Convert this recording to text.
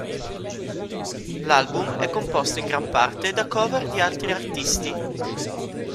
L'album è composto in gran parte da cover di altri artisti.